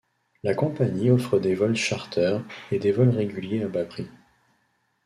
La compagnie offre des vols charter et des vols réguliers à bas prix.